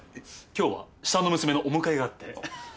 今日は下の娘のお迎えがあって。